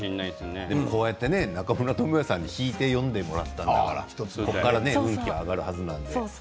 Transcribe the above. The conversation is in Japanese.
でも中村倫也さんに引いて読んでもらったんだからここから上がるはずなので。